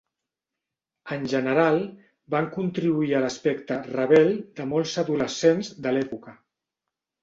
En general, van contribuir a l'aspecte "rebel" de molts adolescents de l'època.